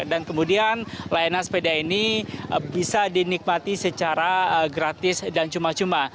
dan kemudian layanan sepeda ini bisa dinikmati secara gratis dan cuma cuma